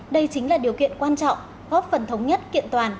đây chính là điều kiện quan trọng góp phần thống nhất kiện toàn